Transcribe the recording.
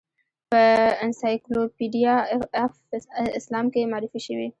په انسایکلوپیډیا آف اسلام کې معرفي شوې.